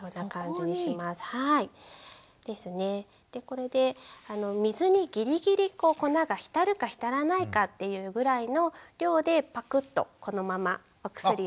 これで水にギリギリ粉が浸るか浸らないかというぐらいの量でパクッとこのままお薬を。